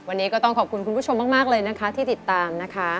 วันนี้ก็ต้องขอบคุณคุณผู้ชมมากเลยนะคะที่ติดตามนะคะ